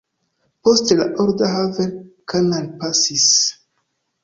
Poste la Oder-Havel-Kanal pasis.